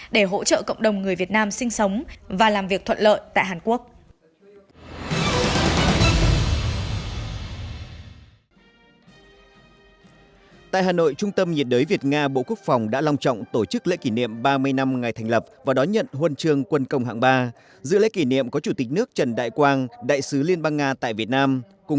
để hỗ trợ cộng đồng người việt nam sinh sống và làm việc thuận lợi tại hàn quốc